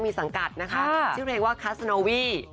มีสังกัดนะคะชื่อเพลงว่าคัสโนวี่